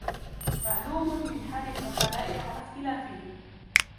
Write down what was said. مَعْلُومٌ مِنْ حَالِ الْعُقَلَاءِ عَلَى اخْتِلَافِهِمْ